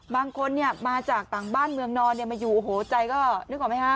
บางคนเนี่ยมาจากต่างบ้านเมืองนอนมาอยู่โอ้โหใจก็นึกออกไหมฮะ